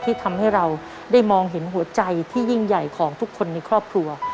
ที่ทำให้เราได้มองเห็นหัวใจที่ยิ่งใหญ่ของทุกคนในครอบครัว